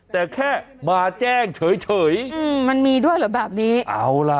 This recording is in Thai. แต่แค่มาแจ้งเฉยเฉยอืมมันมีด้วยเหรอแบบนี้เอาล่ะ